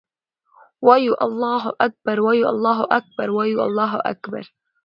وایو الله اکــبر، وایو الله اکـــبر، وایـــــو الله اکــــــــبر